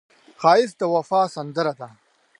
ښایست د وفا سندره ده